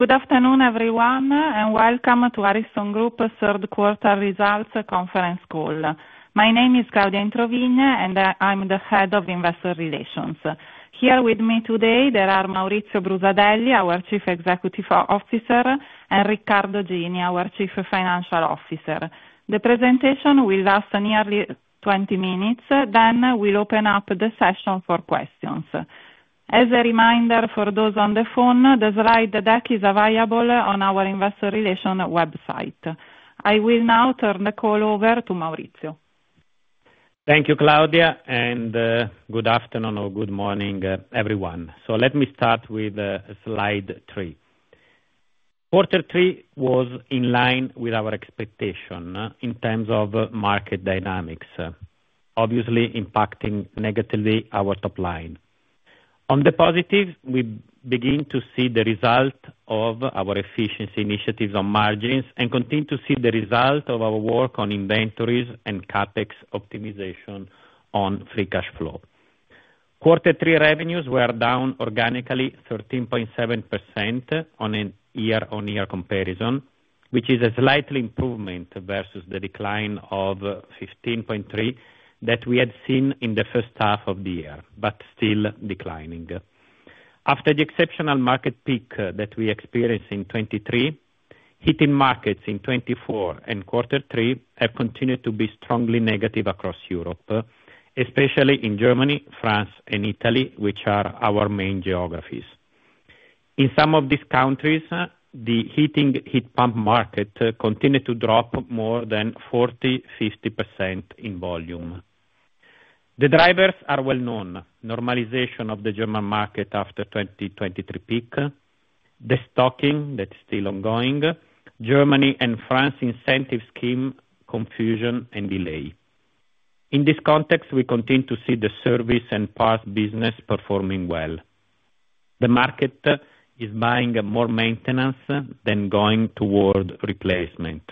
Good afternoon, everyone, and welcome to Ariston Group's third quarter results conference call. My name is Claudia Introvigne, and I'm the head of investor relations. Here with me today, there are Maurizio Brusadelli, our Chief Executive Officer, and Riccardo Gini, our Chief Financial Officer. The presentation will last nearly 20 minutes. Then we'll open up the session for questions. As a reminder for those on the phone, the slide deck is available on our investor relations website. I will now turn the call over to Maurizio. Thank you, Claudia, and good afternoon or good morning, everyone. So let me start with slide 3. quarter three was in line with our expectation in terms of market dynamics, obviously impacting negatively our top line. On the positive, we begin to see the result of our efficiency initiatives on margins and continue to see the result of our work on inventories and CapEx optimization on free cash flow. quarter three revenues were down organically 13.7% on a year-on-year comparison, which is a slight improvement versus the decline of 15.3% that we had seen in the first half of the year, but still declining. After the exceptional market peak that we experienced in 2023, heating markets in 2024 and quarter three have continued to be strongly negative across Europe, especially in Germany, France, and Italy, which are our main geographies. In some of these countries, the heating heat pump market continued to drop more than 40%-50% in volume. The drivers are well-known: normalization of the German market after the 2023 peak, the destocking that is still ongoing, Germany and France incentive scheme confusion, and delay. In this context, we continue to see the service and parts business performing well. The market is buying more maintenance than going toward replacement.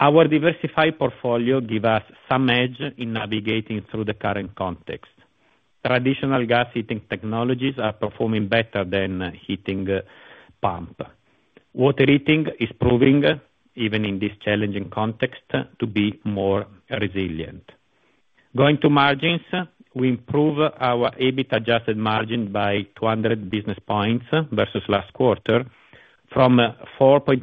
Our diversified portfolio gives us some edge in navigating through the current context. Traditional gas heating technologies are performing better than heat pumps. Water heating is proving, even in this challenging context, to be more resilient. Going to margins, we improved our adjusted EBIT margin by 200 basis points versus last quarter, from 4.3%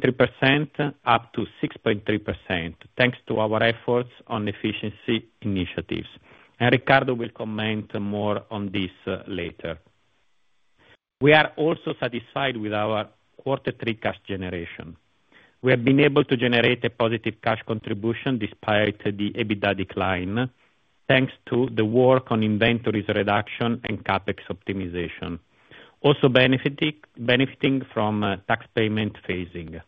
to 6.3%, thanks to our efforts on efficiency initiatives, and Riccardo will comment more on this later. We are also satisfied with our quarter Three cash generation. We have been able to generate a positive cash contribution despite the EBITDA decline, thanks to the work on inventories reduction and CapEx optimization, also benefiting from tax payment phasing.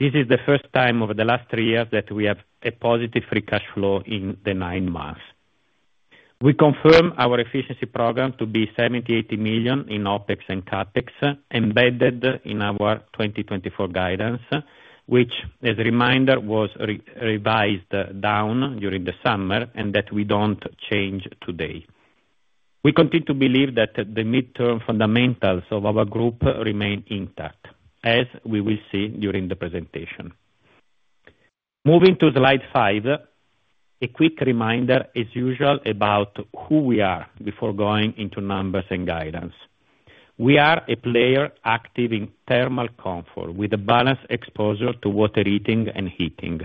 This is the first time over the last three years that we have a positive free cash flow in the nine months. We confirmed our efficiency program to be $78 million in OpEx and CapEx embedded in our 2024 guidance, which, as a reminder, was revised down during the summer and that we don't change today. We continue to believe that the midterm fundamentals of our group remain intact, as we will see during the presentation. Moving to slide 5, a quick reminder, as usual, about who we are before going into numbers and guidance. We are a player active in thermal comfort with a balanced exposure to water heating and heating.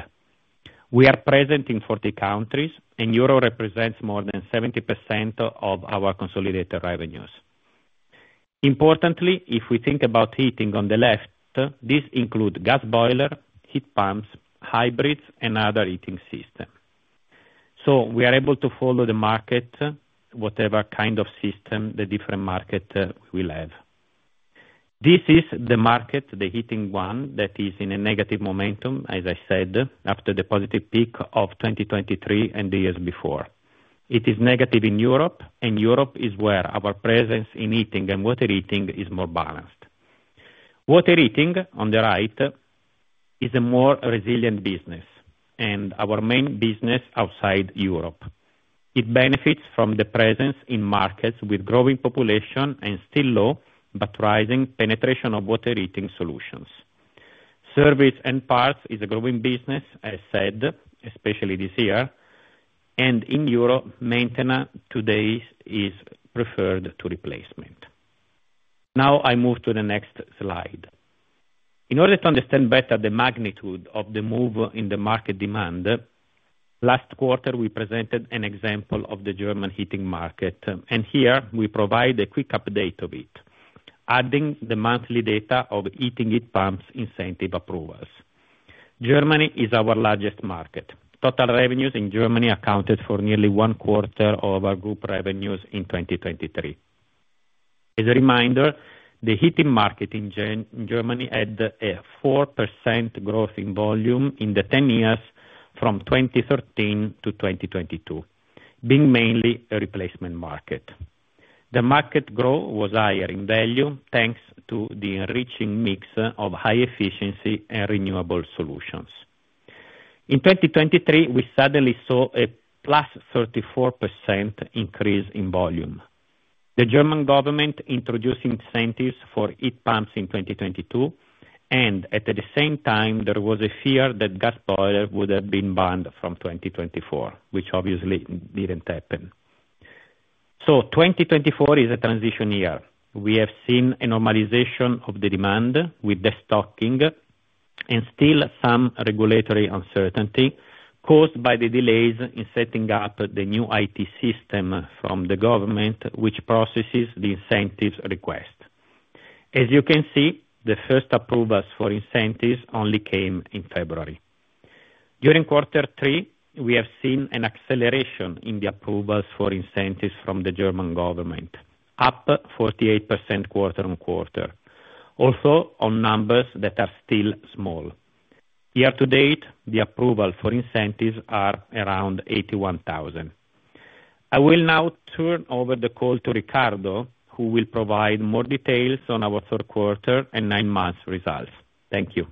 We are present in 40 countries, and Europe represents more than 70% of our consolidated revenues. Importantly, if we think about heating on the left, this includes gas boilers, heat pumps, hybrids, and other heating systems. So we are able to follow the market, whatever kind of system the different market will have. This is the market, the heating one, that is in a negative momentum, as I said, after the positive peak of 2023 and the years before. It is negative in Europe, and Europe is where our presence in heating and water heating is more balanced. Water heating on the right is a more resilient business and our main business outside Europe. It benefits from the presence in markets with growing population and still low but rising penetration of water heating solutions. Service and parts is a growing business, as said, especially this year, and in Europe, maintenance today is preferred to replacement. Now I move to the next slide. In order to understand better the magnitude of the move in the market demand, last quarter we presented an example of the German heating market, and here we provide a quick update of it, adding the monthly data of heat pumps incentive approvals. Germany is our largest market. Total revenues in Germany accounted for nearly one quarter of our group revenues in 2023. As a reminder, the heating market in Germany had a 4% growth in volume in the 10 years from 2013 to 2022, being mainly a replacement market. The market growth was higher in value thanks to the enriching mix of high efficiency and renewable solutions. In 2023, we suddenly saw a plus 34% increase in volume. The German government introduced incentives for heat pumps in 2022, and at the same time, there was a fear that gas boilers would have been banned from 2024, which obviously didn't happen. So 2024 is a transition year. We have seen a normalization of the demand with the destocking and still some regulatory uncertainty caused by the delays in setting up the new IT system from the government, which processes the incentives request. As you can see, the first approvals for incentives only came in February. During quarter three, we have seen an acceleration in the approvals for incentives from the German government, up 48% quarter on quarter, although on numbers that are still small. Year to date, the approvals for incentives are around 81,000. I will now turn over the call to Riccardo, who will provide more details on our third quarter and nine months results. Thank you.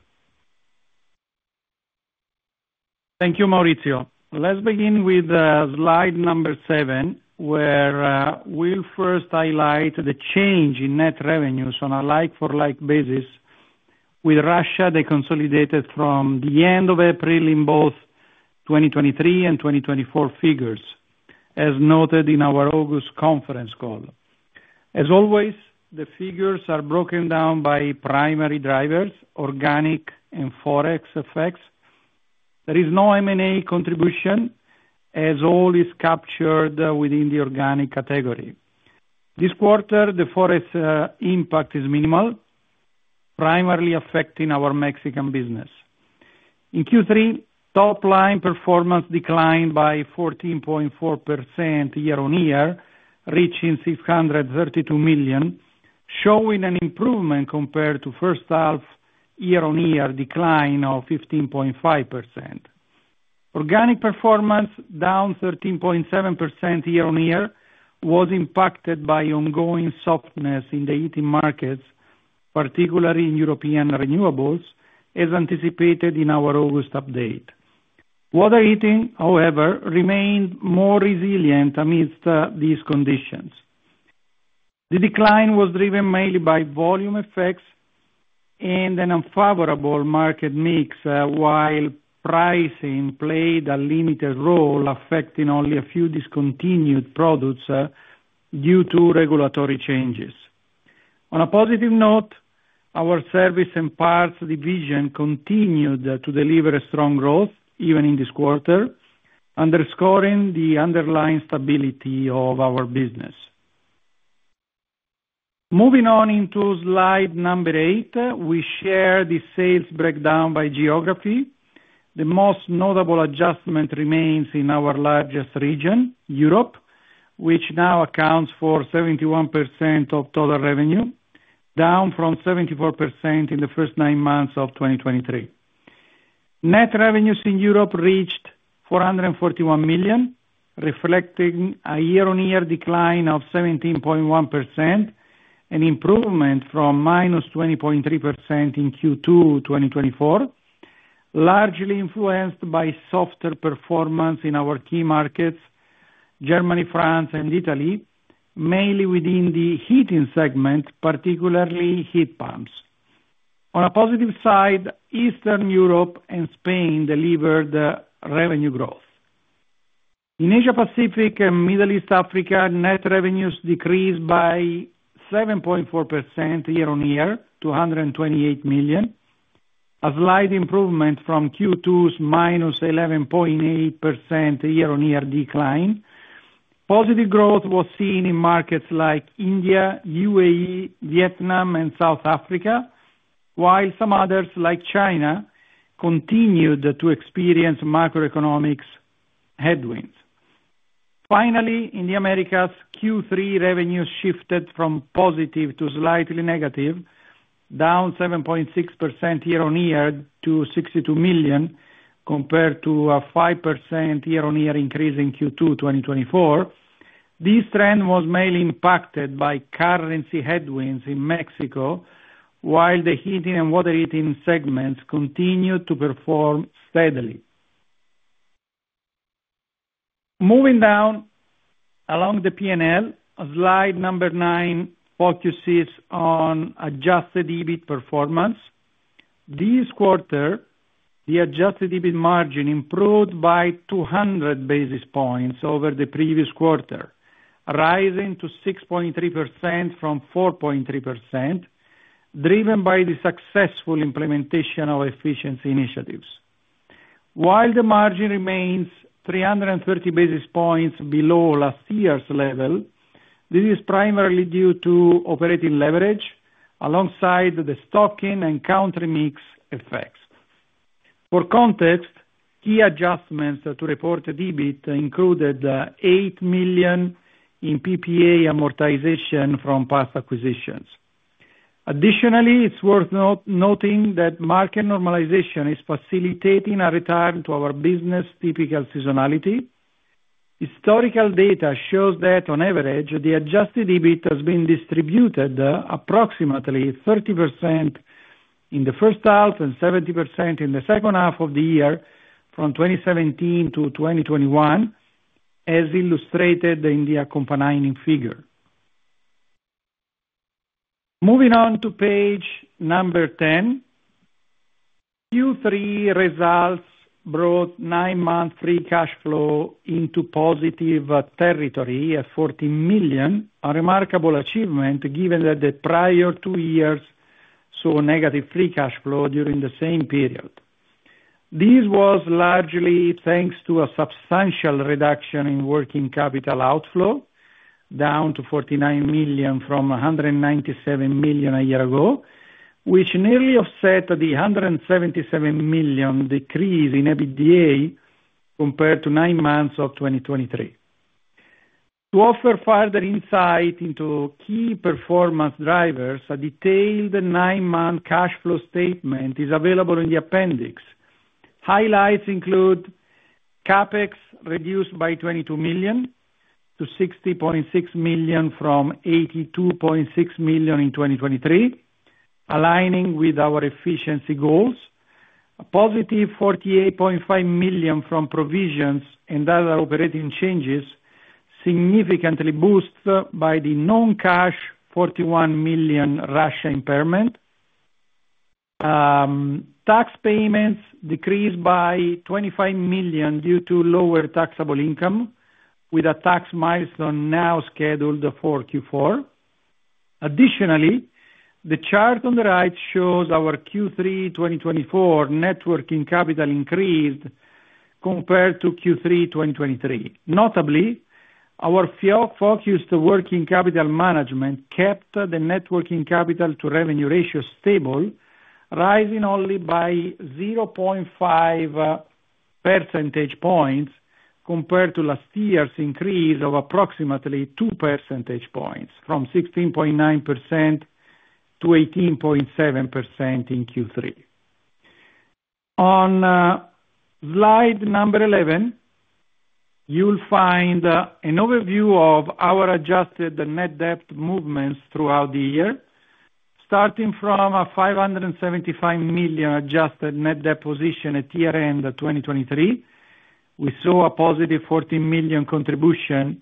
Thank you, Maurizio. Let's begin with slide number 7, where we'll first highlight the change in net revenues on a like-for-like basis with Russia that consolidated from the end of April in both 2023 and 2024 figures, as noted in our August conference call. As always, the figures are broken down by primary drivers, organic and forex effects. There is no M&A contribution, as all is captured within the organic category. This quarter, the forex impact is minimal, primarily affecting our Mexican business. In Q3, top-line performance declined by 14.4% year-on-year, reaching 632 million, showing an improvement compared to first-half year-on-year decline of 15.5%. Organic performance down 13.7% year-on-year was impacted by ongoing softness in the heating markets, particularly in European renewables, as anticipated in our August update. Water heating, however, remained more resilient amidst these conditions. The decline was driven mainly by volume effects and an unfavorable market mix, while pricing played a limited role, affecting only a few discontinued products due to regulatory changes. On a positive note, our service and parts division continued to deliver strong growth even in this quarter, underscoring the underlying stability of our business. Moving on into slide number 8, we share the sales breakdown by geography. The most notable adjustment remains in our largest region, Europe, which now accounts for 71% of total revenue, down from 74% in the first nine months of 2023. Net revenues in Europe reached 441 million, reflecting a year-on-year decline of 17.1% and improvement from minus 20.3% in Q2 2024, largely influenced by softer performance in our key markets, Germany, France, and Italy, mainly within the heating segment, particularly heat pumps. On a positive side, Eastern Europe and Spain delivered revenue growth. In Asia-Pacific and Middle East, Africa net revenues decreased by 7.4% year-on-year to $128 million, a slight improvement from Q2's minus 11.8% year-on-year decline. Positive growth was seen in markets like India, UAE, Vietnam, and South Africa, while some others, like China, continued to experience macroeconomic headwinds. Finally, in the Americas, Q3 revenues shifted from positive to slightly negative, down 7.6% year-on-year to $62 million compared to a 5% year-on-year increase in Q2 2024. This trend was mainly impacted by currency headwinds in Mexico, while the heating and water heating segments continued to perform steadily. Moving down along the P&L, slide number 9 focuses on adjusted EBIT performance. This quarter, the adjusted EBIT margin improved by 200 basis points over the previous quarter, rising to 6.3% from 4.3%, driven by the successful implementation of efficiency initiatives. While the margin remains 330 basis points below last year's level, this is primarily due to operating leverage alongside the destocking and country mix effects. For context, key adjustments to reported EBIT included $8 million in PPA amortization from past acquisitions. Additionally, it's worth noting that market normalization is facilitating a return to our business' typical seasonality. Historical data shows that, on average, the adjusted EBIT has been distributed approximately 30% in the first half and 70% in the second half of the year from 2017 to 2021, as illustrated in the accompanying figure. Moving on to page number 10, Q3 results brought nine-month free cash flow into positive territory at $40 million, a remarkable achievement given that the prior two years saw negative free cash flow during the same period. This was largely thanks to a substantial reduction in working capital outflow, down to $49 million from $197 million a year ago, which nearly offset the $177 million decrease in EBITDA compared to nine months of 2023. To offer further insight into key performance drivers, a detailed nine-month cash flow statement is available in the appendix. Highlights include CAPEX reduced by $22 million to $60.6 million from $82.6 million in 2023, aligning with our efficiency goals. A positive $48.5 million from provisions and other operating changes significantly boosted by the non-cash $41 million Russia impairment. Tax payments decreased by $25 million due to lower taxable income, with a tax milestone now scheduled for Q4. Additionally, the chart on the right shows our Q3 2024 net working capital increase compared to Q3 2023. Notably, our focused working capital management kept the net working capital-to-revenue ratio stable, rising only by 0.5 percentage points compared to last year's increase of approximately 2 percentage points from 16.9% to 18.7% in Q3. On slide number 11, you'll find an overview of our adjusted net debt movements throughout the year. Starting from a $575 million adjusted net debt position at year-end 2023, we saw a positive $14 million contribution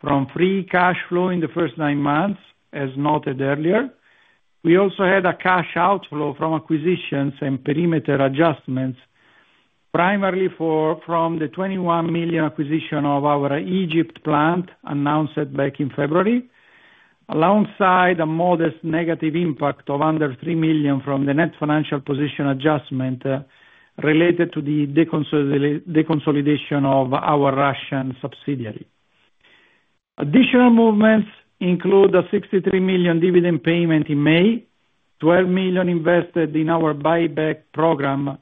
from free cash flow in the first nine months, as noted earlier. We also had a cash outflow from acquisitions and perimeter adjustments, primarily from the $21 million acquisition of our Egypt plant announced back in February, alongside a modest negative impact of under $3 million from the net financial position adjustment related to the deconsolidation of our Russian subsidiary. Additional movements include a 63 million dividend payment in May, 12 million invested in our buyback program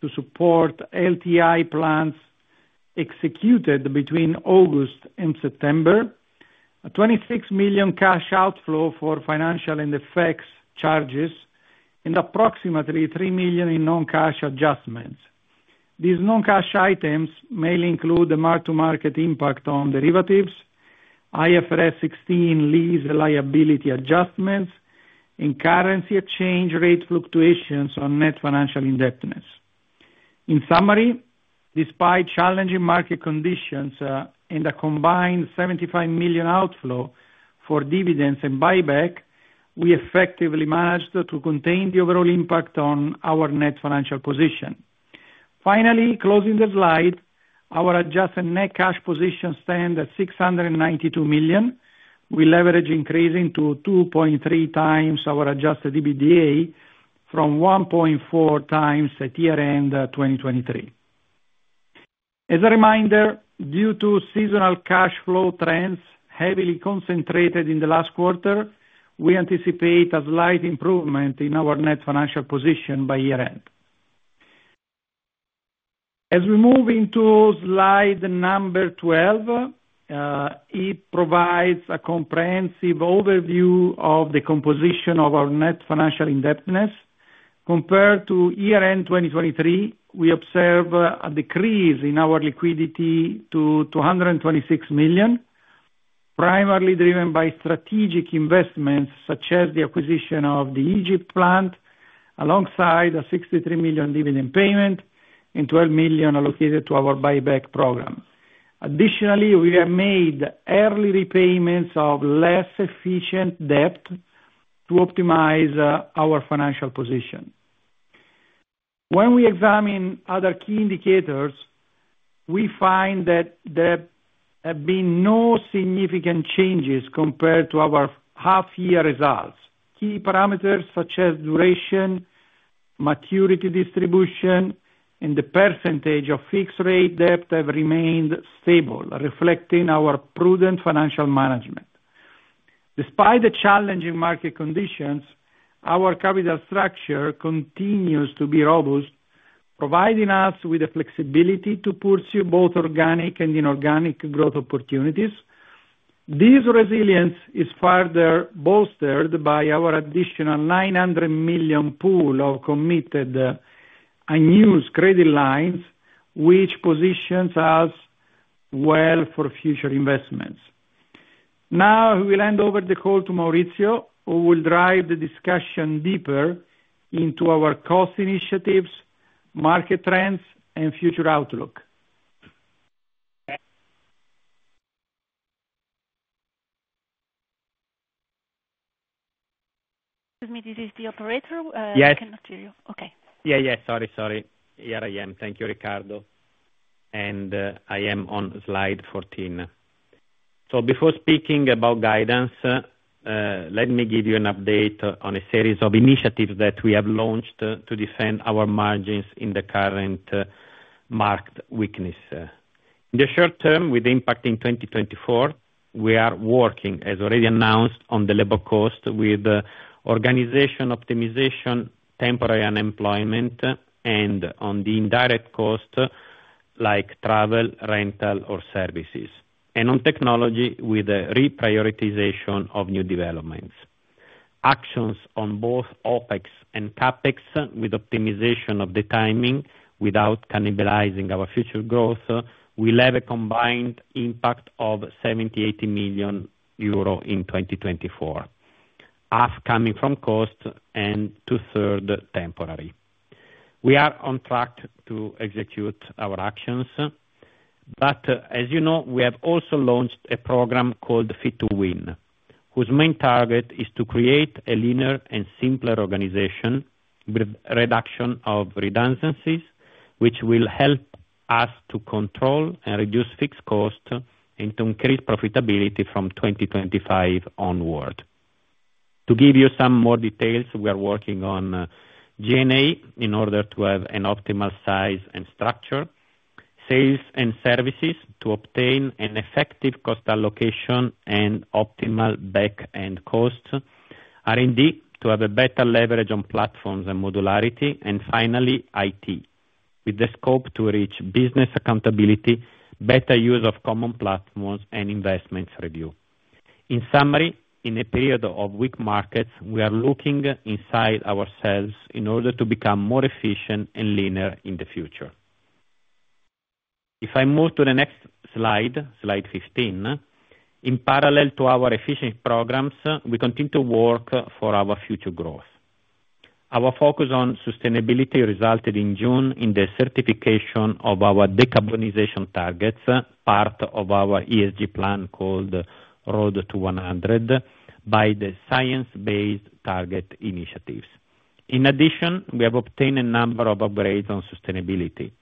to support LTI plans executed between August and September, a 26 million cash outflow for financial and effects charges, and approximately 3 million in non-cash adjustments. These non-cash items mainly include the mark-to-market impact on derivatives, IFRS 16 lease liability adjustments, and currency exchange rate fluctuations on net financial indebtedness. In summary, despite challenging market conditions and a combined 75 million outflow for dividends and buyback, we effectively managed to contain the overall impact on our net financial position. Finally, closing the slide, our adjusted net cash position stands at 692 million, with leverage increasing to 2.3 times our adjusted EBITDA from 1.4 times at year-end 2023. As a reminder, due to seasonal cash flow trends heavily concentrated in the last quarter, we anticipate a slight improvement in our Net Financial Position by year-end. As we move into slide number 12, it provides a comprehensive overview of the composition of our Net Financial Indebtedness. Compared to year-end 2023, we observe a decrease in our liquidity to $226 million, primarily driven by strategic investments such as the acquisition of the Egypt plant, alongside a $63 million dividend payment and $12 million allocated to our buyback program. Additionally, we have made early repayments of less efficient debt to optimize our financial position. When we examine other key indicators, we find that there have been no significant changes compared to our half-year results. Key parameters such as duration, maturity distribution, and the percentage of fixed-rate debt have remained stable, reflecting our prudent financial management. Despite the challenging market conditions, our capital structure continues to be robust, providing us with the flexibility to pursue both organic and inorganic growth opportunities. This resilience is further bolstered by our additional $900 million pool of committed unused credit lines, which positions us well for future investments. Now, we'll hand over the call to Maurizio, who will drive the discussion deeper into our cost initiatives, market trends, and future outlook. Excuse me, this is the Operator. Yes. I cannot hear you. Okay. Yeah, yeah. Sorry, sorry. Here I am. Thank you, Riccardo. And I am on slide 14. So before speaking about guidance, let me give you an update on a series of initiatives that we have launched to defend our margins in the current market weakness. In the short term, with the impact in 2024, we are working, as already announced, on the labor cost with organization optimization, temporary unemployment, and on the indirect cost like travel, rental, or services. And on technology with reprioritization of new developments. Actions on both OPEX and CAPEX with optimization of the timing without cannibalizing our future growth will have a combined impact of € 78 million in 2024, coming from cost and two-thirds temporary. We are on track to execute our actions. But as you know, we have also launched a program called Fit to Win, whose main target is to create a leaner and simpler organization with reduction of redundancies, which will help us to control and reduce fixed costs and to increase profitability from 2025 onward. To give you some more details, we are working on G&A in order to have an optimal size and structure, sales and services to obtain an effective cost allocation and optimal back-end costs, R&D to have a better leverage on platforms and modularity, and finally, IT with the scope to reach business accountability, better use of common platforms, and investments review. In summary, in a period of weak markets, we are looking inside ourselves in order to become more efficient and leaner in the future. If I move to the next slide, slide 15, in parallel to our efficiency programs, we continue to work for our future growth. Our focus on sustainability resulted in June in the certification of our decarbonization targets, part of our ESG plan called Road to 100 by the Science Based Targets initiative. In addition, we have obtained a number of upgrades on sustainability.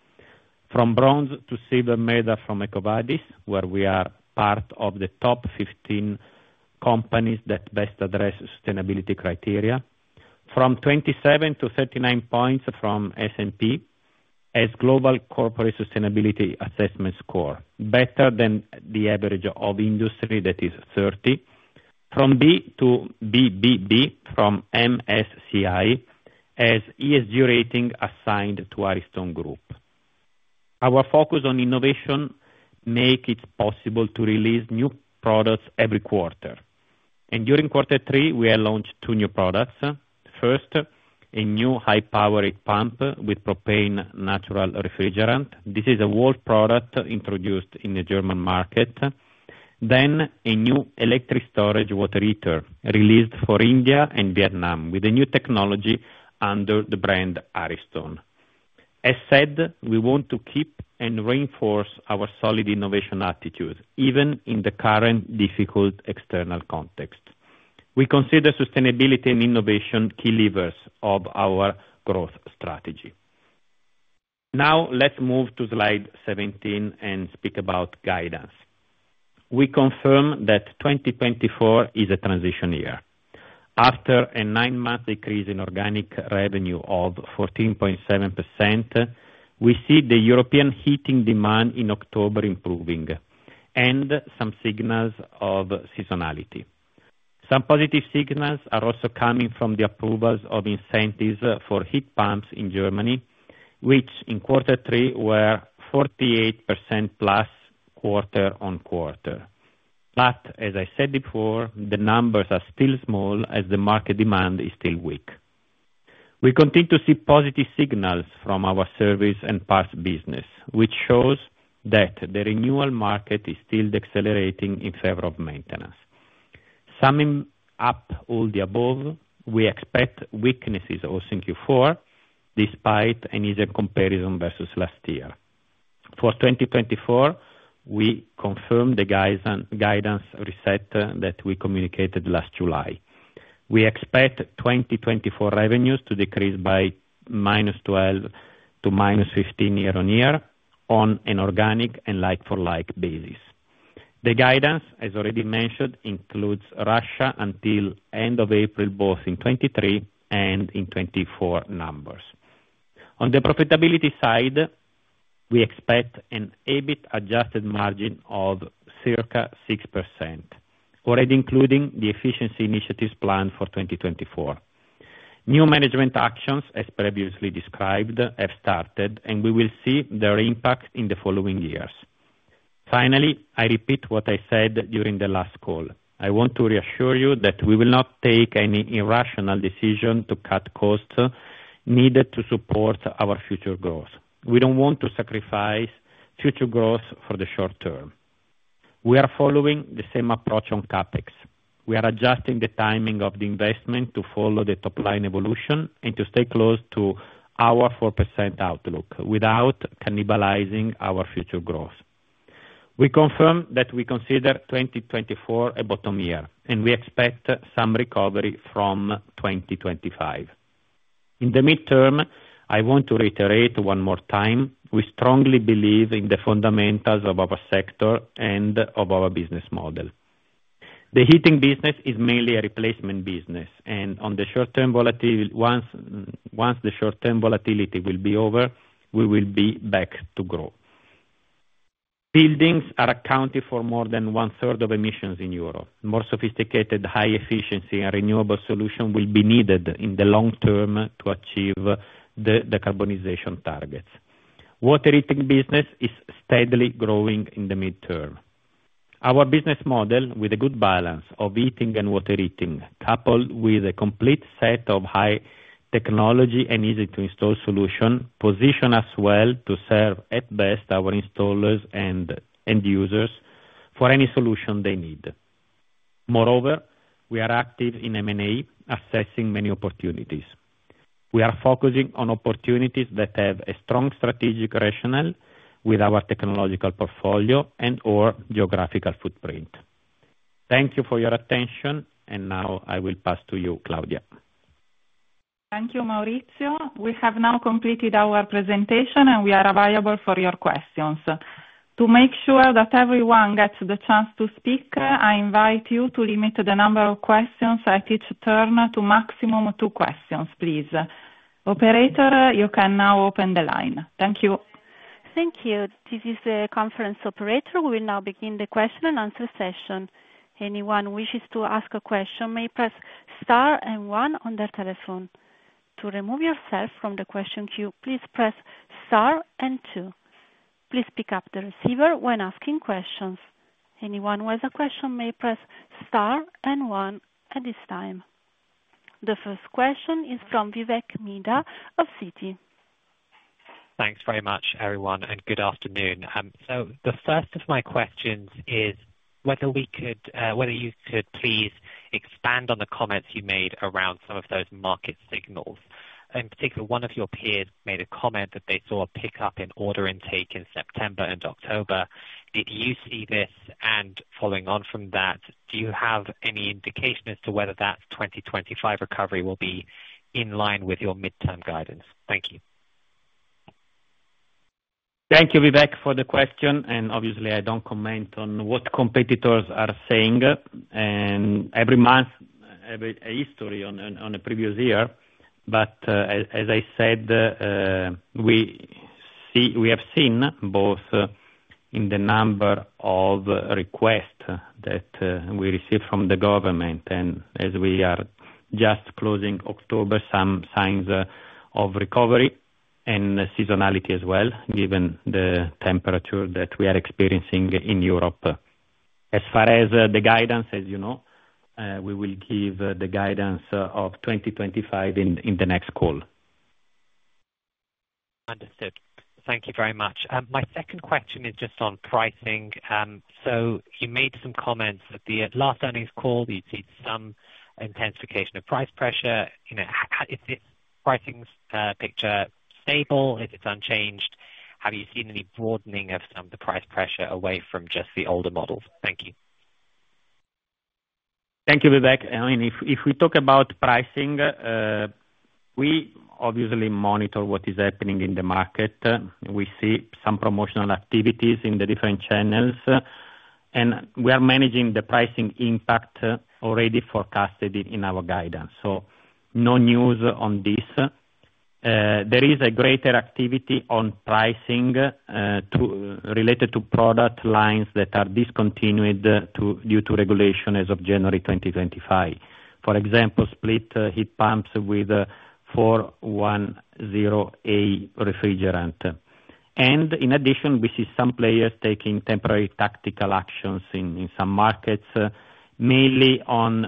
From bronze to silver medal from EcoVadis, where we are part of the top 15 companies that best address sustainability criteria. From 27 to 39 points from S&P Global Corporate Sustainability Assessment Score, better than the average of industry that is 30. From B to BBB from MSCI ESG rating assigned to Ariston Group. Our focus on innovation makes it possible to release new products every quarter, and during quarter three, we have launched two new products. First, a new high-powered heat pump with propane natural refrigerant. This is a world product introduced in the German market. Then, a new electric storage water heater released for India and Vietnam with a new technology under the brand Ariston. As said, we want to keep and reinforce our solid innovation attitude even in the current difficult external context. We consider sustainability and innovation key levers of our growth strategy. Now, let's move to slide 17 and speak about guidance. We confirm that 2024 is a transition year. After a nine-month decrease in organic revenue of 14.7%, we see the European heating demand in October improving and some signals of seasonality. Some positive signals are also coming from the approvals of incentives for heat pumps in Germany, which in quarter three were 48% plus quarter on quarter. But as I said before, the numbers are still small as the market demand is still weak. We continue to see positive signals from our service and parts business, which shows that the renewal market is still accelerating in favor of maintenance. Summing up all the above, we expect weaknesses also in Q4 despite an easier comparison versus last year. For 2024, we confirm the guidance reset that we communicated last July. We expect 2024 revenues to decrease by -12% to -15% year on year on an organic and like-for-like basis. The guidance, as already mentioned, includes Russia until end of April, both in 2023 and in 2024 numbers. On the profitability side, we expect an adjusted EBIT margin of circa 6%, already including the efficiency initiatives planned for 2024. New management actions, as previously described, have started, and we will see their impact in the following years. Finally, I repeat what I said during the last call. I want to reassure you that we will not take any irrational decision to cut costs needed to support our future growth. We don't want to sacrifice future growth for the short term. We are following the same approach on CAPEX. We are adjusting the timing of the investment to follow the top-line evolution and to stay close to our 4% outlook without cannibalizing our future growth. We confirm that we consider 2024 a bottom year, and we expect some recovery from 2025. In the midterm, I want to reiterate one more time, we strongly believe in the fundamentals of our sector and of our business model. The heating business is mainly a replacement business, and on the short-term volatility, once the short-term volatility will be over, we will be back to grow. Buildings are accounted for more than one-third of emissions in Europe. More sophisticated, high-efficiency, and renewable solutions will be needed in the long term to achieve the decarbonization targets. Water heating business is steadily growing in the midterm. Our business model, with a good balance of heating and water heating, coupled with a complete set of high-technology and easy-to-install solutions, positions us well to serve at best our installers and end users for any solution they need. Moreover, we are active in M&A, assessing many opportunities. We are focusing on opportunities that have a strong strategic rationale with our technological portfolio and/or geographical footprint. Thank you for your attention, and now I will pass to you, Claudia. Thank you, Maurizio. We have now completed our presentation, and we are available for your questions. To make sure that everyone gets the chance to speak, I invite you to limit the number of questions at each turn to maximum two questions, please. Operator, you can now open the line. Thank you. Thank you. This is the conference operator. We will now begin the question-and-answer session. Anyone wishes to ask a question may press star and one on their telephone. To remove yourself from the question queue, please press star and two. Please pick up the receiver when asking questions. Anyone with a question may press star and one at this time. The first question is from Vivek Midha of Citi. Thanks very much, everyone, and good afternoon. So the first of my questions is whether we could, whether you could please expand on the comments you made around some of those market signals. In particular, one of your peers made a comment that they saw a pickup in order intake in September and October. Did you see this? And following on from that, do you have any indication as to whether that 2025 recovery will be in line with your midterm guidance? Thank you. Thank you, Vivek, for the question. And obviously, I don't comment on what competitors are saying. And every month, a history on a previous year. But as I said, we have seen both in the number of requests that we received from the government. And as we are just closing October, some signs of recovery and seasonality as well, given the temperature that we are experiencing in Europe. As far as the guidance, as you know, we will give the guidance of 2025 in the next call. Understood. Thank you very much. My second question is just on pricing. So you made some comments at the last earnings call. You've seen some intensification of price pressure. Is the pricing picture stable? Is it unchanged? Have you seen any broadening of some of the price pressure away from just the older models? Thank you. Thank you, Vivek. I mean, if we talk about pricing, we obviously monitor what is happening in the market. We see some promotional activities in the different channels. And we are managing the pricing impact already forecasted in our guidance. So no news on this. There is a greater activity on pricing related to product lines that are discontinued due to regulation as of January 2025. For example, split heat pumps with 410A refrigerant. And in addition, we see some players taking temporary tactical actions in some markets, mainly on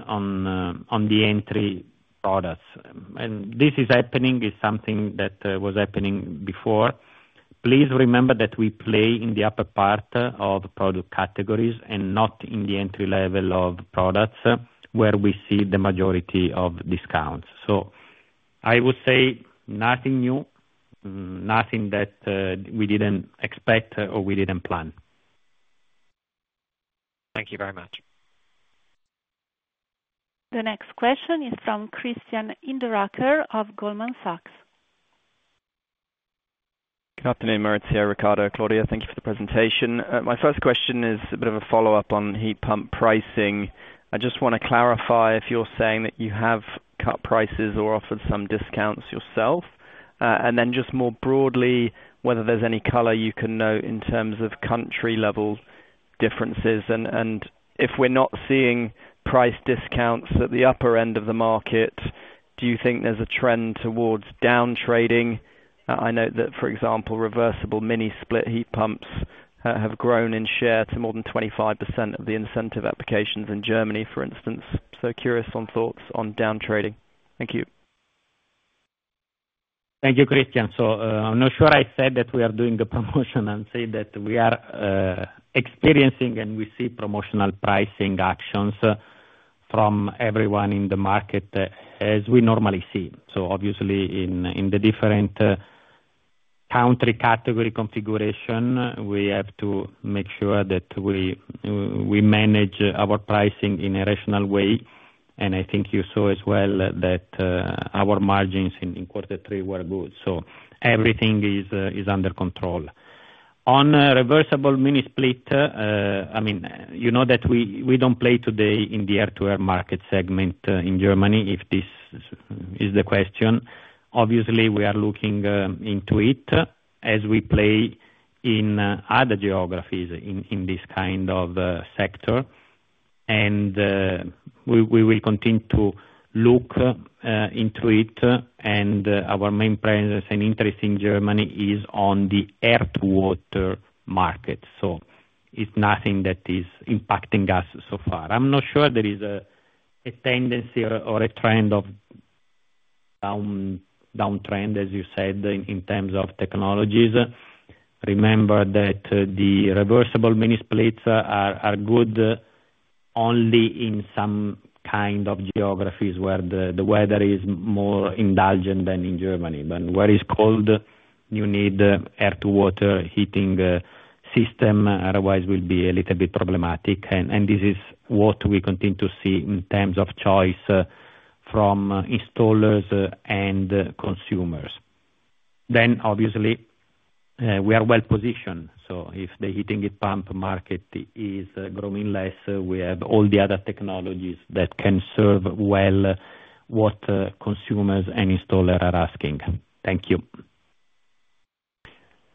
the entry products. And this is happening. It's something that was happening before. Please remember that we play in the upper part of product categories and not in the entry level of products where we see the majority of discounts. So I would say nothing new, nothing that we didn't expect or we didn't plan. Thank you very much. The next question is from Christian Hinderaker of Goldman Sachs. Good afternoon, Maurizio, Riccardo, Claudia. Thank you for the presentation. My first question is a bit of a follow-up on heat pump pricing. I just want to clarify if you're saying that you have cut prices or offered some discounts yourself. And then just more broadly, whether there's any color you can note in terms of country-level differences. And if we're not seeing price discounts at the upper end of the market, do you think there's a trend towards downtrading? I know that, for example, reversible mini split heat pumps have grown in share to more than 25% of the incentive applications in Germany, for instance. So curious on thoughts on downtrading. Thank you. Thank you, Christian. So, I'm not sure I said that we are doing a promotion and say that we are experiencing and we see promotional pricing actions from everyone in the market as we normally see. So, obviously, in the different country category configuration, we have to make sure that we manage our pricing in a rational way. And I think you saw as well that our margins in quarter three were good. So, everything is under control. On reversible mini split, I mean, you know that we don't play today in the air-to-air market segment in Germany if this is the question. Obviously, we are looking into it as we play in other geographies in this kind of sector. And we will continue to look into it. And our main presence and interest in Germany is on the air-to-water market. So, it's nothing that is impacting us so far. I'm not sure there is a tendency or a trend of downtrend, as you said, in terms of technologies. Remember that the reversible mini splits are good only in some kind of geographies where the weather is milder than in Germany, but where it's cold, you need an air-to-water heating system. Otherwise, it will be a little bit problematic, and this is what we continue to see in terms of choice from installers and consumers, then, obviously, we are well-positioned, so if the heat pump market is growing less, we have all the other technologies that can serve well what consumers and installers are asking. Thank you.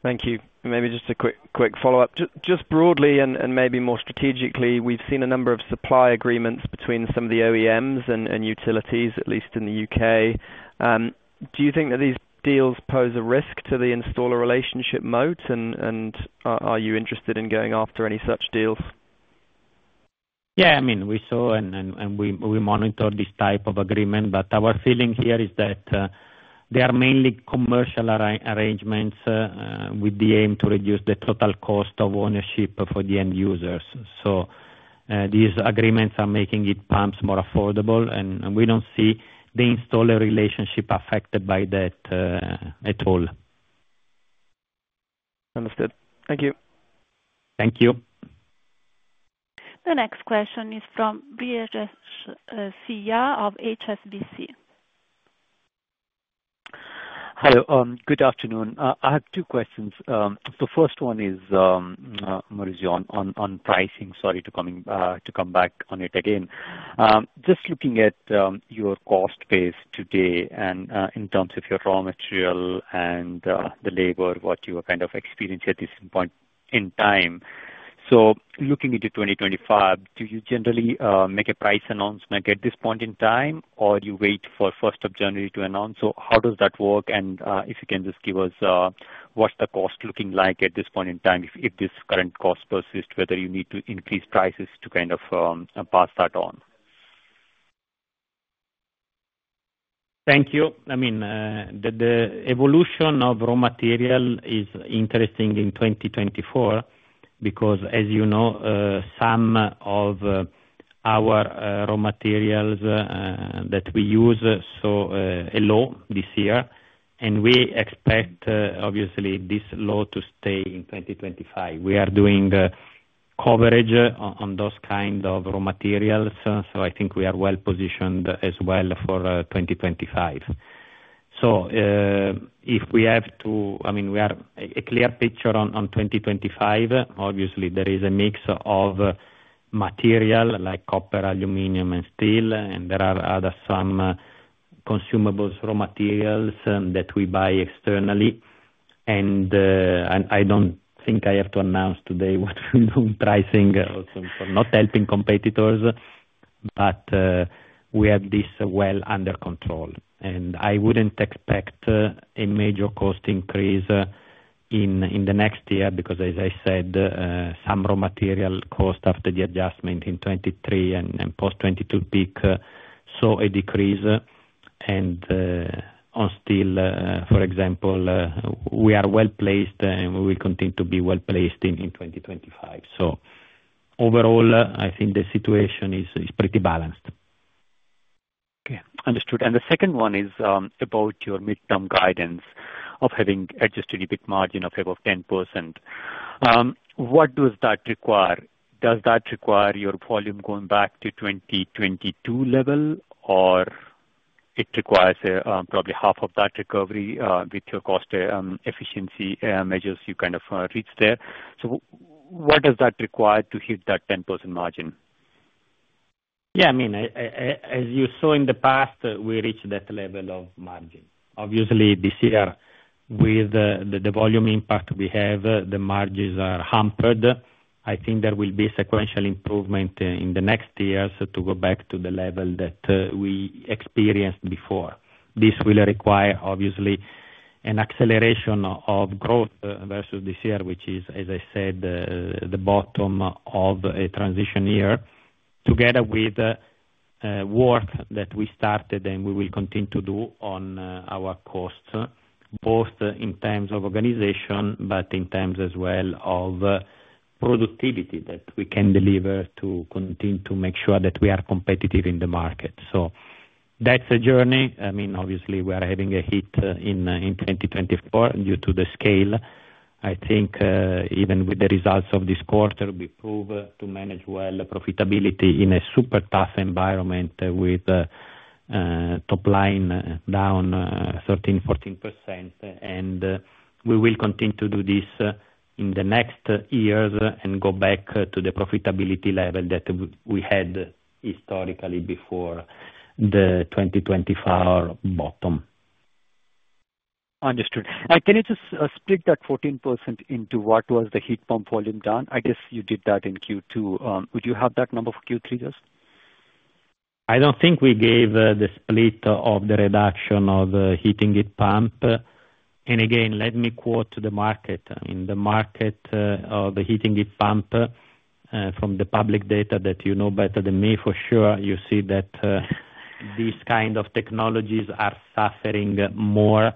Thank you. Maybe just a quick follow-up. Just broadly and maybe more strategically, we've seen a number of supply agreements between some of the OEMs and utilities, at least in the U.K. Do you think that these deals pose a risk to the installer relationship model? And are you interested in going after any such deals? Yeah. I mean, we saw and we monitored this type of agreement. But our feeling here is that they are mainly commercial arrangements with the aim to reduce the total cost of ownership for the end users. So these agreements are making heat pumps more affordable. And we don't see the installer relationship affected by that at all. Understood. Thank you. Thank you. The next question is from Brijesh of HSBC. Hello. Good afternoon. I have two questions. The first one is, Maurizio, on pricing. Sorry to come back on it again. Just looking at your cost base today and in terms of your raw material and the labor, what you are kind of experiencing at this point in time. So looking into 2025, do you generally make a price announcement at this point in time, or do you wait for 1st of January to announce? So how does that work? And if you can just give us what's the cost looking like at this point in time if this current cost persists, whether you need to increase prices to kind of pass that on? Thank you. I mean, the evolution of raw material is interesting in 2024 because, as you know, some of our raw materials that we use saw a low this year, and we expect, obviously, this low to stay in 2025. We are doing coverage on those kinds of raw materials, so I think we are well-positioned as well for 2025, so if we have to, I mean, we have a clear picture on 2025. Obviously, there is a mix of material like copper, aluminum, and steel, and there are other some consumables, raw materials that we buy externally, and I don't think I have to announce today what we're doing pricing for not helping competitors, but we have this well under control. I wouldn't expect a major cost increase in the next year because, as I said, some raw material cost after the adjustment in 2023 and post-2022 peak saw a decrease. On steel, for example, we are well-placed and we will continue to be well-placed in 2025. Overall, I think the situation is pretty balanced. Okay. Understood, and the second one is about your midterm guidance of having adjusted your peak margin of 10%. What does that require? Does that require your volume going back to 2022 level, or it requires probably half of that recovery with your cost efficiency measures you kind of reached there, so what does that require to hit that 10% margin? Yeah. I mean, as you saw in the past, we reached that level of margin. Obviously, this year, with the volume impact we have, the margins are hampered. I think there will be sequential improvement in the next years to go back to the level that we experienced before. This will require, obviously, an acceleration of growth versus this year, which is, as I said, the bottom of a transition year together with work that we started and we will continue to do on our costs, both in terms of organization but in terms as well of productivity that we can deliver to continue to make sure that we are competitive in the market. So that's a journey. I mean, obviously, we are having a hit in 2024 due to the scale. I think even with the results of this quarter, we prove to manage well profitability in a super tough environment with top line down 13%-14%, and we will continue to do this in the next years and go back to the profitability level that we had historically before the 2024 bottom. Understood. Can you just split that 14% into what was the heat pump volume done? I guess you did that in Q2. Would you have that number for Q3 just? I don't think we gave the split of the reduction of heating heat pump. And again, let me quote the market. I mean, the market of the heating heat pump, from the public data that you know better than me, for sure, you see that these kinds of technologies are suffering more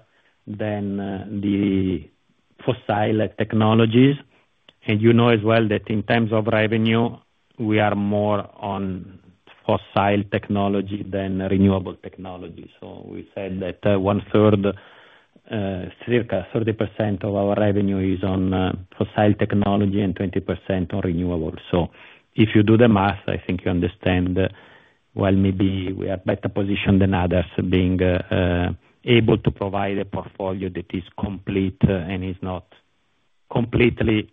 than the fossil technologies. And you know as well that in terms of revenue, we are more on fossil technology than renewable technology. So we said that one-third, circa 30% of our revenue is on fossil technology and 20% on renewable. So if you do the math, I think you understand why maybe we are better positioned than others being able to provide a portfolio that is complete and is not completely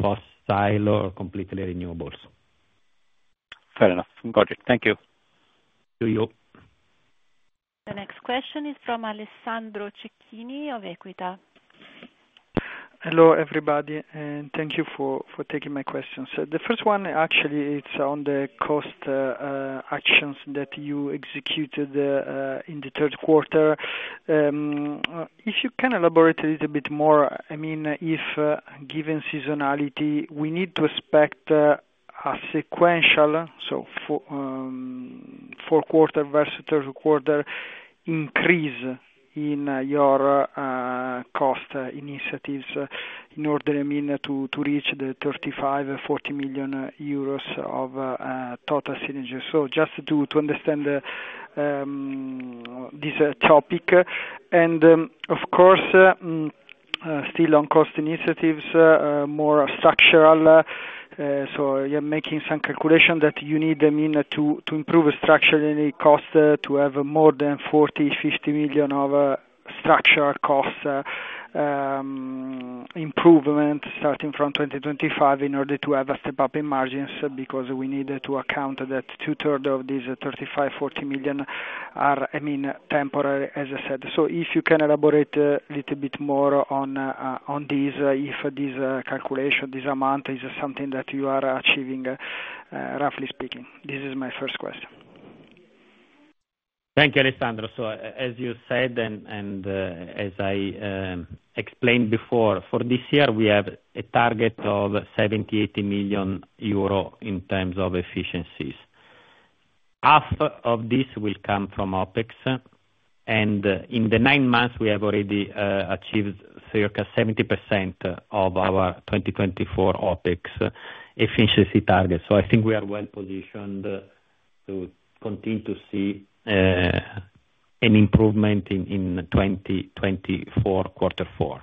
fossil or completely renewables. Fair enough. Got it. Thank you. To you. The next question is from Alessandro Cecchini of Equita. Hello, everybody, and thank you for taking my questions. The first one, actually, it's on the cost actions that you executed in the third quarter. If you can elaborate a little bit more, I mean, given seasonality, we need to expect a sequential, so fourth quarter versus third quarter increase in your cost initiatives in order, I mean, to reach the 35-40 million EUR of total synergy. So just to understand this topic. And of course, still on cost initiatives, more structural. So you're making some calculation that you need, I mean, to improve structurally cost to have more than 40-50 million EUR of structural cost improvement starting from 2025 in order to have a step-up in margins because we need to account that two-thirds of these 35-40 million EUR are, I mean, temporary, as I said. If you can elaborate a little bit more on these, if this calculation, this amount is something that you are achieving, roughly speaking. This is my first question. Thank you, Alessandro. As you said and as I explained before, for this year, we have a target of 78 million euro in terms of efficiencies. Half of this will come from OPEX. In the nine months, we have already achieved circa 70% of our 2024 OPEX efficiency target. I think we are well-positioned to continue to see an improvement in 2024 quarter four.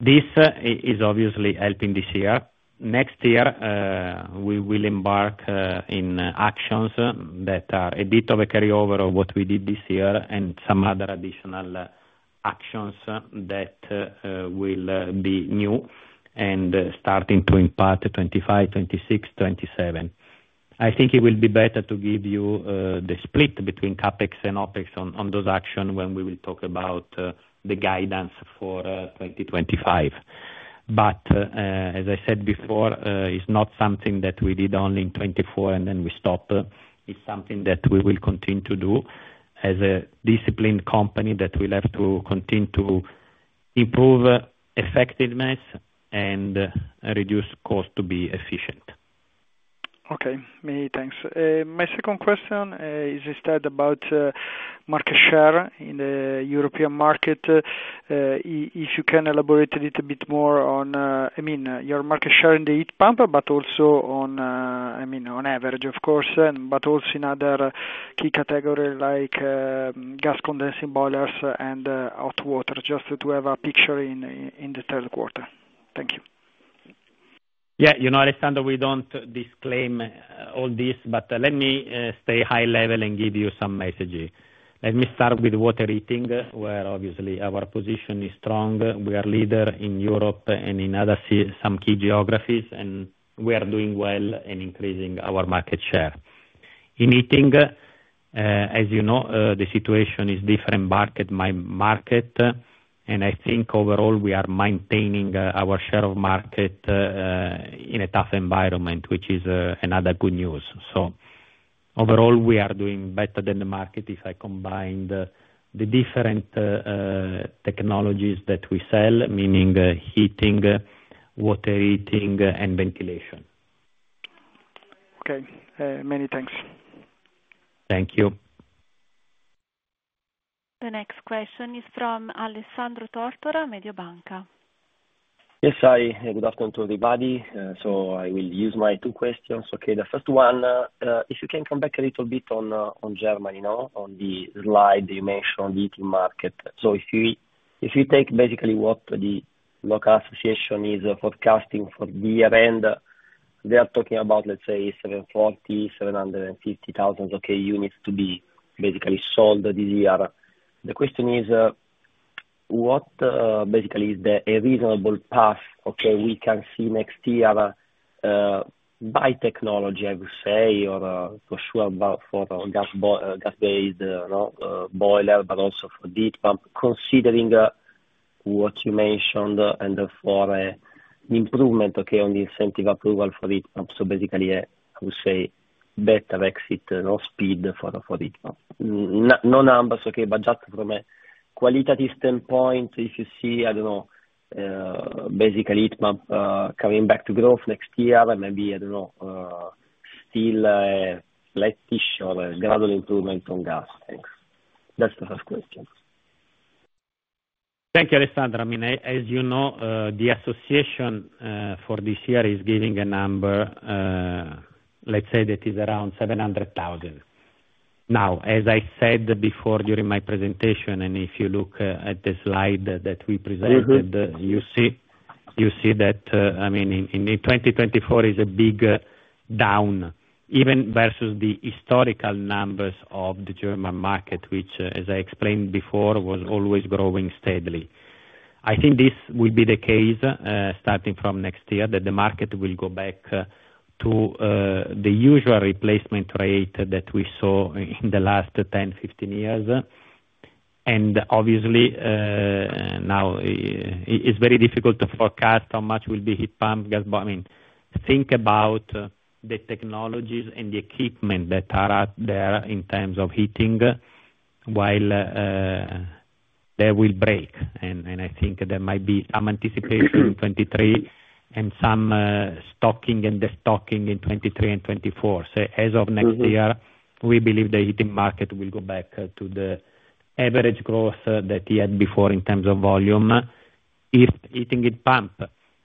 This is obviously helping this year. Next year, we will embark on actions that are a bit of a carryover of what we did this year and some other additional actions that will be new and starting to impact 2025, 2026, 2027. I think it will be better to give you the split between CAPEX and OPEX on those actions when we will talk about the guidance for 2025. But as I said before, it's not something that we did only in 2024 and then we stopped. It's something that we will continue to do as a disciplined company that we'll have to continue to improve effectiveness and reduce cost to be efficient. Okay. Many thanks. My second question is instead about market share in the European market. If you can elaborate a little bit more on, I mean, your market share in the heat pump, but also on, I mean, on average, of course, but also in other key categories like gas condensing boilers and hot water, just to have a picture in the third quarter. Thank you. Yeah. You know, Alessandro, we don't disclaim all this, but let me stay high level and give you some messaging. Let me start with water heating, where obviously our position is strong. We are a leader in Europe and in some key geographies, and we are doing well in increasing our market share. In heating, as you know, the situation is different market by market. And I think overall, we are maintaining our share of market in a tough environment, which is another good news. So overall, we are doing better than the market if I combined the different technologies that we sell, meaning heating, water heating, and ventilation. Okay. Many thanks. Thank you. The next question is from Alessandro Tortora, Mediobanca. Yes, hi. Good afternoon to everybody. So I will use my two questions. Okay. The first one, if you can come back a little bit on Germany, on the slide you mentioned heating market. So if you take basically what the local association is forecasting for the year end, they are talking about, let's say, 740-750 thousand units to be basically sold this year. The question is, what basically is a reasonable path we can see next year by technology, I would say, or for sure for gas-based boiler, but also for heat pump, considering what you mentioned and for improvement on the incentive approval for heat pumps. So basically, I would say better exit speed for heat pump. No numbers, okay, but just from a qualitative standpoint, if you see, I don't know, basically heat pump coming back to growth next year, maybe. I don't know, still a flatish or a gradual improvement on gas. Thanks. That's the first question. Thank you, Alessandro. I mean, as you know, the association for this year is giving a number, let's say, that is around 700,000. Now, as I said before during my presentation, and if you look at the slide that we presented, you see that, I mean, in 2024 is a big down, even versus the historical numbers of the German market, which, as I explained before, was always growing steadily. I think this will be the case starting from next year that the market will go back to the usual replacement rate that we saw in the last 10, 15 years. And obviously, now it's very difficult to forecast how much will be heat pumps, gas boilers. I mean, think about the technologies and the equipment that are out there in terms of heating while they will break. I think there might be some anticipation in 2023 and some stocking and destocking in 2023 and 2024. As of next year, we believe the heating market will go back to the average growth that it had before in terms of volume. If heat pumps,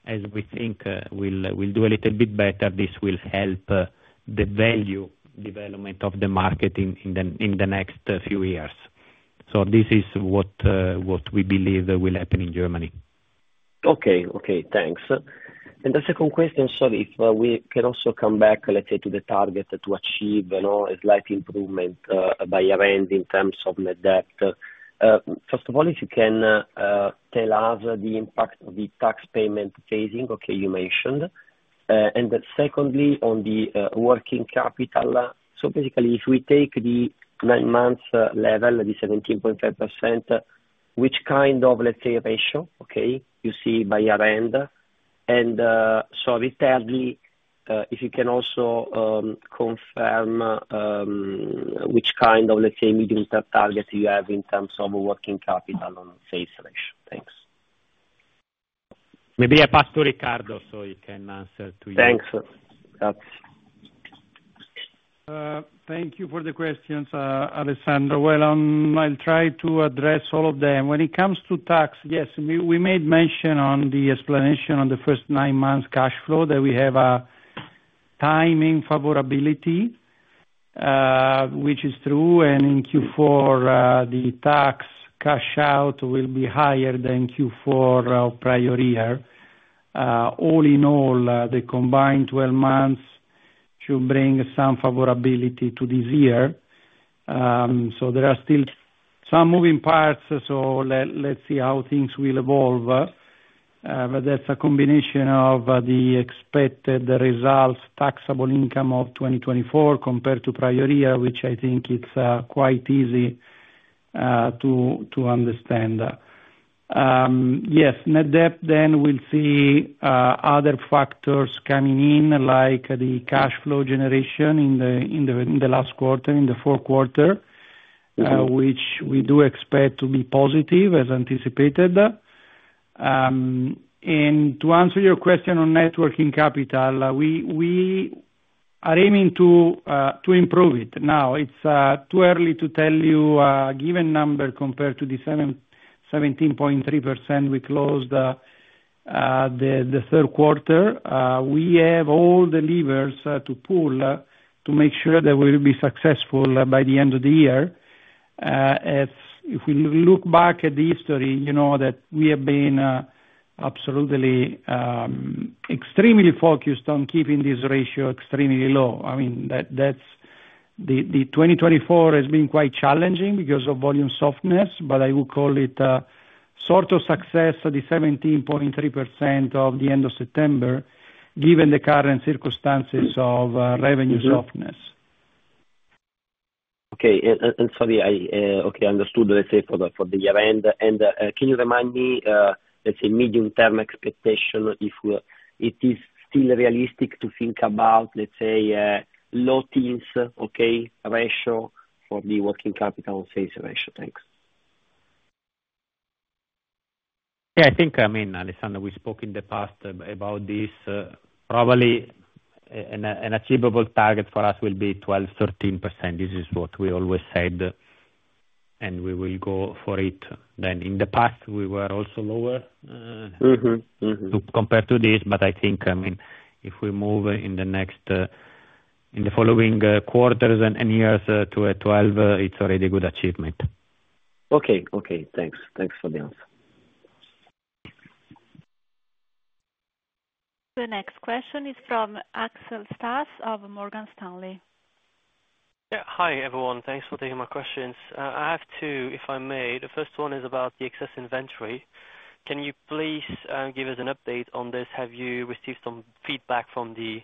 as we think, will do a little bit better, this will help the value development of the market in the next few years. This is what we believe will happen in Germany. Okay. Okay. Thanks, and the second question, sorry, if we can also come back, let's say, to the target to achieve a slight improvement by year end in terms of net debt. First of all, if you can tell us the impact of the tax payment phasing, okay, you mentioned. And secondly, on the working capital. So basically, if we take the nine-month level, the 17.5%, which kind of, let's say, ratio, okay, you see by year end? And sorry, thirdly, if you can also confirm which kind of, let's say, medium-term target you have in terms of working capital as % ratio. Thanks. Maybe I pass to Riccardo so he can answer to you. Thanks. Thank you for the questions, Alessandro. Well, I'll try to address all of them. When it comes to tax, yes, we made mention on the explanation on the first nine months cash flow that we have a timing favorability, which is true. And in Q4, the tax cash out will be higher than Q4 of prior year. All in all, the combined 12 months should bring some favorability to this year. So there are still some moving parts. So let's see how things will evolve. But that's a combination of the expected results, taxable income of 2024 compared to prior year, which I think it's quite easy to understand. Yes. Net debt then will see other factors coming in, like the cash flow generation in the last quarter, in the fourth quarter, which we do expect to be positive as anticipated. To answer your question on net working capital, we are aiming to improve it. Now, it's too early to tell you a given number compared to the 17.3% we closed the third quarter. We have all the levers to pull to make sure that we will be successful by the end of the year. If we look back at the history, you know that we have been absolutely extremely focused on keeping this ratio extremely low. I mean, the 2024 has been quite challenging because of volume softness, but I would call it sort of success, the 17.3% of the end of September, given the current circumstances of revenue softness. Okay. Sorry, okay. I understood, let's say, for the year end. And can you remind me, let's say, medium-term expectation if it is still realistic to think about, let's say, low teens okay ratio for the working capital to sales ratio? Thanks. Yeah. I think, I mean, Alessandro, we spoke in the past about this. Probably an achievable target for us will be 12%-13%. This is what we always said, and we will go for it. Then in the past, we were also lower compared to this. But I think, I mean, if we move in the following quarters and years to 12%, it's already a good achievement. Okay. Okay. Thanks. Thanks for the answer. The next question is from Axel Stasse of Morgan Stanley. Hi, everyone. Thanks for taking my questions. I have two, if I may. The first one is about the excess inventory. Can you please give us an update on this? Have you received some feedback from the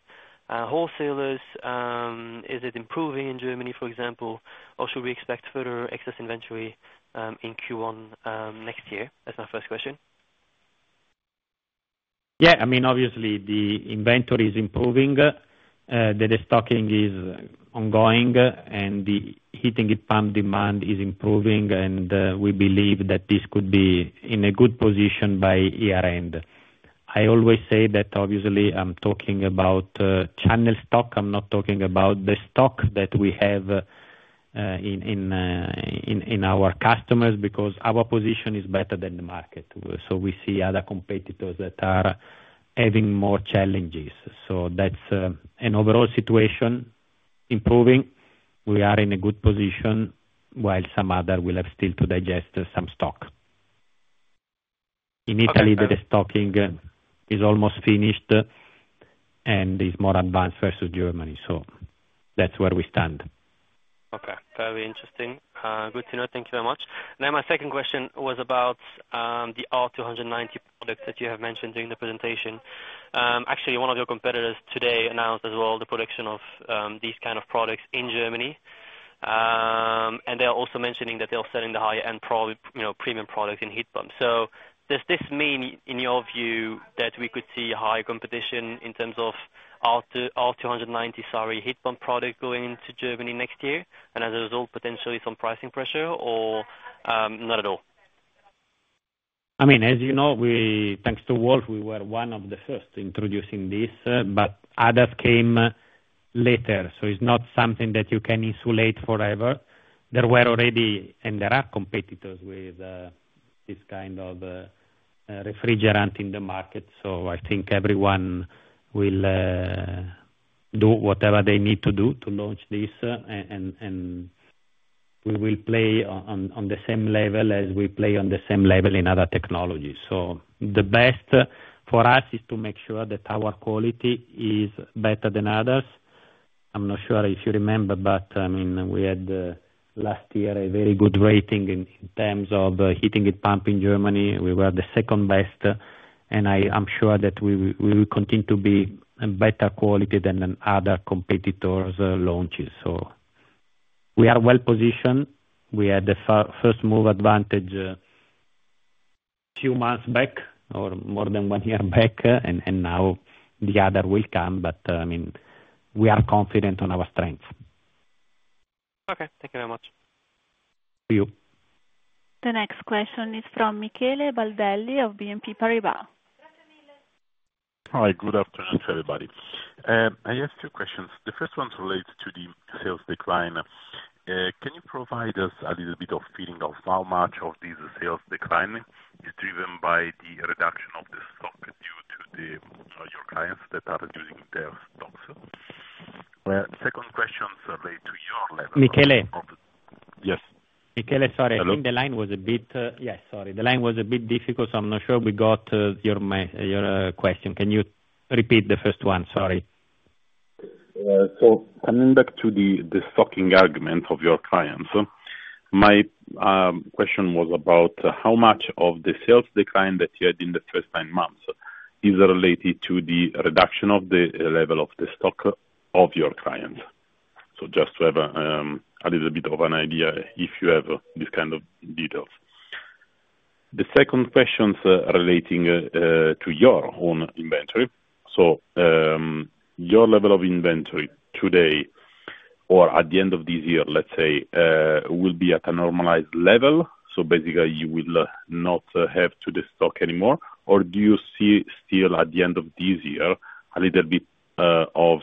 wholesalers? Is it improving in Germany, for example? Or should we expect further excess inventory in Q1 next year? That's my first question. Yeah. I mean, obviously, the inventory is improving. The destocking is ongoing, and the heating heat pump demand is improving, and we believe that this could be in a good position by year end. I always say that, obviously, I'm talking about channel stock. I'm not talking about the stock that we have in our customers because our position is better than the market, so we see other competitors that are having more challenges, so that's an overall situation improving. We are in a good position, while some others will have still to digest some stock. In Italy, the destocking is almost finished, and it's more advanced versus Germany, so that's where we stand. Okay. Very interesting. Good to know. Thank you very much. Now, my second question was about the R290 product that you have mentioned during the presentation. Actually, one of your competitors today announced as well the production of these kind of products in Germany. And they're also mentioning that they're sell-in the higher-end premium products in heat pumps. So does this mean, in your view, that we could see high competition in terms of R290, sorry, heat pump product going into Germany next year? And as a result, potentially some pricing pressure, or not at all? I mean, as you know, thanks to Wolf, we were one of the first to introduce this, but others came later. So it's not something that you can insulate forever. There were already and there are competitors with this kind of refrigerant in the market. So I think everyone will do whatever they need to do to launch this, and we will play on the same level as we play on the same level in other technologies. So the best for us is to make sure that our quality is better than others. I'm not sure if you remember, but I mean, we had last year a very good rating in terms of heating heat pump in Germany. We were the second best. And I'm sure that we will continue to be better quality than other competitors' launches. So we are well positioned. We had the first move advantage a few months back or more than one year back. And now the other will come. But I mean, we are confident on our strength. Okay. Thank you very much. Thank you. The next question is from Michele Baldelli of BNP Paribas. Hi. Good afternoon to everybody. I have two questions. The first one relates to the sales decline. Can you provide us a little bit of feeling of how much of this sales decline is driven by the reduction of the stock due to your clients that are using their stocks? Second question relates to your level. Michele. Yes. Michele? Sorry. I think the line was a bit difficult, so I'm not sure we got your question. Can you repeat the first one? Sorry. Coming back to the stocking argument of your clients, my question was about how much of the sales decline that you had in the first nine months is related to the reduction of the level of the stock of your clients. So just to have a little bit of an idea if you have this kind of details. The second question is relating to your own inventory. So your level of inventory today or at the end of this year, let's say, will be at a normalized level? So basically, you will not have to destock anymore. Or do you see still at the end of this year a little bit of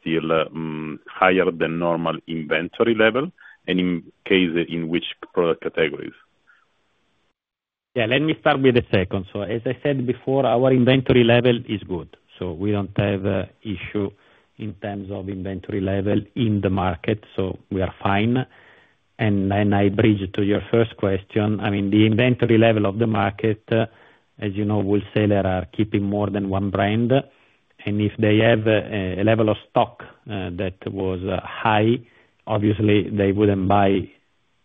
still higher than normal inventory level? And in case in which categories? Yeah. Let me start with the second. So as I said before, our inventory level is good. So we don't have an issue in terms of inventory level in the market. So we are fine. And then I bridge to your first question. I mean, the inventory level of the market, as you know, wholesalers are keeping more than one brand. And if they have a level of stock that was high, obviously, they wouldn't buy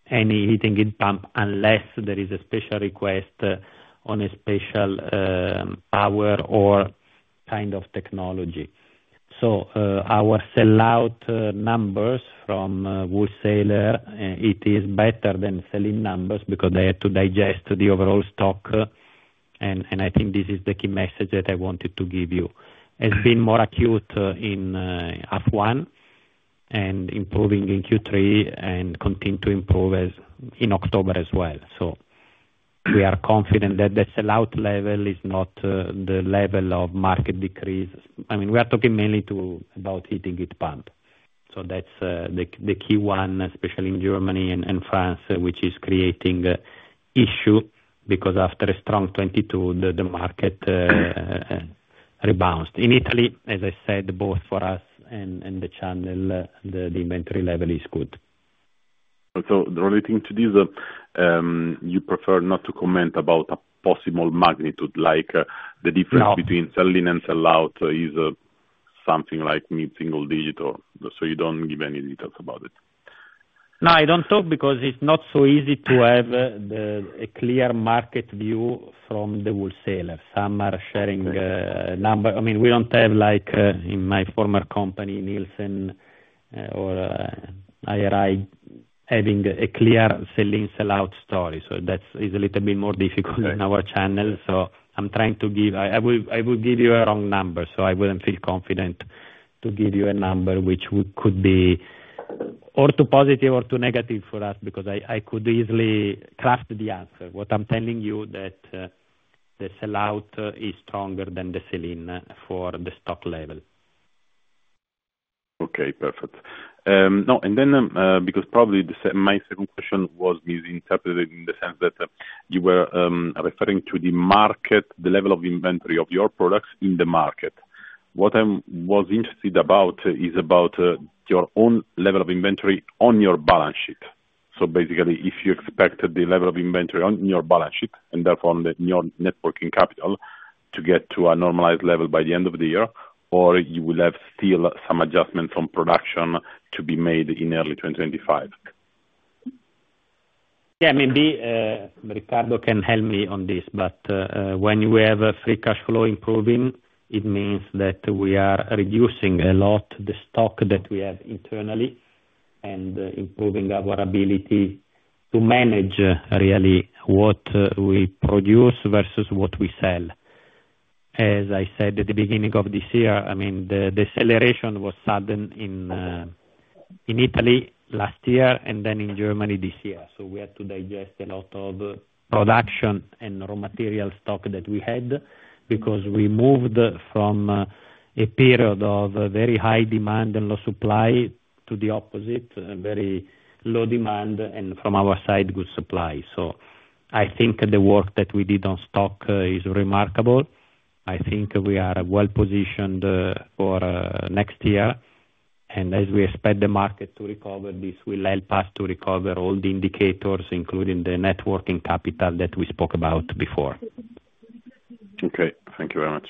any heating heat pump unless there is a special request on a special power or kind of technology. So our sell-out numbers from wholesalers, it is better than selling numbers because they have to digest the overall stock. And I think this is the key message that I wanted to give you. It's been more acute in Q1 and improving in Q3 and continue to improve in October as well. We are confident that the sell-out level is not the level of market decrease. I mean, we are talking mainly about heating heat pump. That's the key one, especially in Germany and France, which is creating issue because after a strong 2022, the market rebounded. In Italy, as I said, both for us and the channel, the inventory level is good. So, relating to this, you prefer not to comment about a possible magnitude, like the difference between sell-in and sell-out is something like mid-single digit or so. You don't give any details about it. No, I don't talk because it's not so easy to have a clear market view from the wholesalers. Some are sharing a number. I mean, we don't have, like in my former company, Nielsen or IRI, having a clear sell-in sell-out story. So that is a little bit more difficult in our channel. So I'm trying to give. I will give you a wrong number. So I wouldn't feel confident to give you a number which could be or too positive or too negative for us because I could easily craft the answer. What I'm telling you is that the sell-out is stronger than the sell-in for the stock level. Okay. Perfect. And then because probably my second question was misinterpreted in the sense that you were referring to the market, the level of inventory of your products in the market. What I was interested about is your own level of inventory on your balance sheet. So basically, if you expect the level of inventory on your balance sheet and therefore on your net working capital to get to a normalized level by the end of the year, or you will have still some adjustment from production to be made in early 2025? Yeah. Maybe Riccardo can help me on this, but when we have free cash flow improving, it means that we are reducing a lot the stock that we have internally and improving our ability to manage really what we produce versus what we sell. As I said at the beginning of this year, I mean, the acceleration was sudden in Italy last year and then in Germany this year, so we had to digest a lot of production and raw material stock that we had because we moved from a period of very high demand and low supply to the opposite, very low demand, and from our side, good supply, so I think the work that we did on stock is remarkable. I think we are well positioned for next year. As we expect the market to recover, this will help us to recover all the indicators, including the net working capital that we spoke about before. Okay. Thank you very much.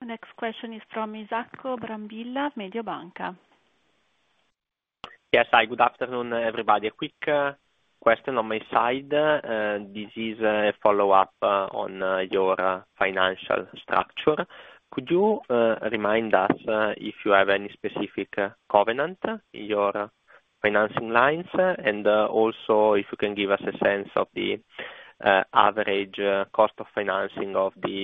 The next question is from Isacco Brambilla, Mediobanca. Yes. Hi. Good afternoon, everybody. A quick question on my side. This is a follow-up on your financial structure. Could you remind us if you have any specific covenant in your financing lines? And also, if you can give us a sense of the average cost of financing of the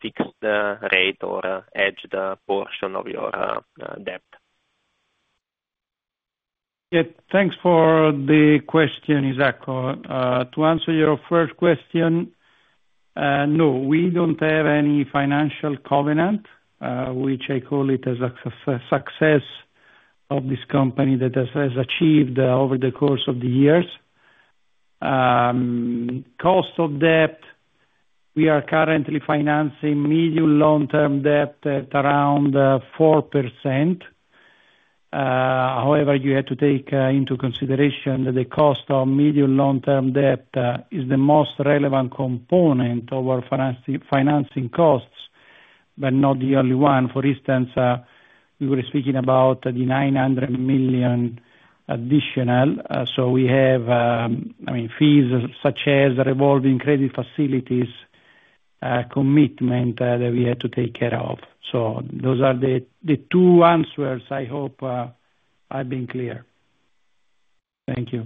fixed rate or hedged portion of your debt? Yeah. Thanks for the question, Isacco. To answer your first question, no, we don't have any financial covenant, which I call it as a success of this company that has achieved over the course of the years. Cost of debt, we are currently financing medium-long-term debt at around 4%. However, you have to take into consideration that the cost of medium-long-term debt is the most relevant component of our financing costs, but not the only one. For instance, we were speaking about the 900 million additional. So we have, I mean, fees such as revolving credit facilities commitment that we had to take care of. So those are the two answers. I hope I've been clear. Thank you.